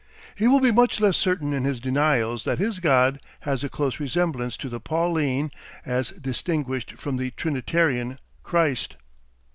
He will be much less certain in his denials that his God has a close resemblance to the Pauline (as distinguished from the Trinitarian) "Christ."